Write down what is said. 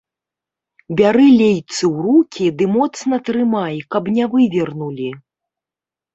Бяры лейцы ў рукі ды моцна трымай, каб не вывернулі!